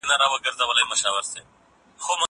زه اوږده وخت مړۍ خورم!